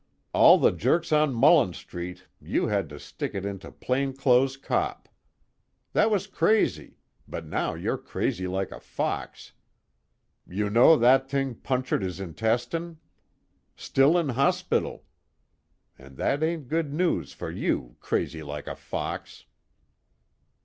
All the jerks on Mullen Street, you had to stick it into plain clo'es cop. That was crazy, but now you're crazy like a fox. You know that t'ing punt'red his intestyne? Still in hospital, and that ain't good news for you, Crazy like a fox."